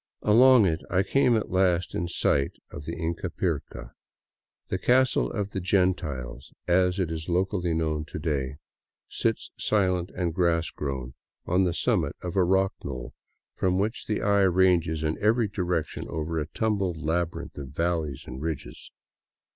Along it I came at last in sight of Ingapirca. The " Castle of the Gentiles," as it is locally known to day, sits silent and grass grown on the summit of a rock knoll from which the eye ranges in every direction over a tumbled labyrinth of valleys and ridges.